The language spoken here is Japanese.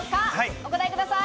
お答えください。